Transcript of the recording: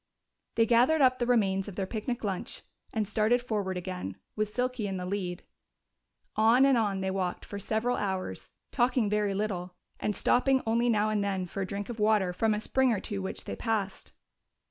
They gathered up the remains of their picnic lunch and started forward again, with Silky in the lead. On and on they walked for several hours, talking very little, and stopping only now and then for a drink of water from a spring or two which they passed.